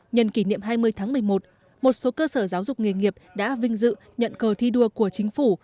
nhân kỷ niệm hai mươi tháng một mươi một một số cơ sở giáo dục nghề nghiệp đã vinh dự nhận cờ thi đua của chính phủ